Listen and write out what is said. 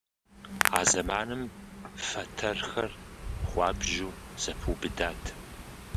А зэманым фэтэрхэр хуабжьу зэпэубыдат.